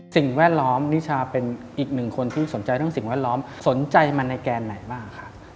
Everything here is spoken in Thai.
สิ่งแวดล้อมนิชาเป็นอีกหนึ่งคนที่สนใจเรื่องสิ่งแวดล้อมสนใจมันในแกนไหนบ้างครับ